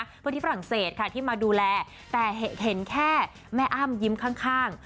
เพื่อที่ฝรั่งเศสค่ะที่มาดูแลแต่เห็นแค่แม่อ้ำยิ้มข้าง